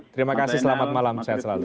terima kasih selamat malam